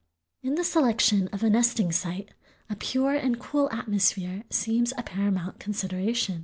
In the selection of a nesting site a pure and cool atmosphere seems a paramount consideration.